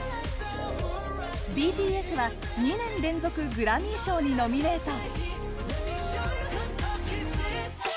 ＢＴＳは、２年連続グラミー賞にノミネート！